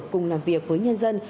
cùng làm việc với nhân dân